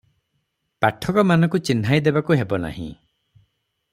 ପାଠକମାନଙ୍କୁ ଚିହ୍ନାଇଦେବାକୁ ହେବ ନାହିଁ ।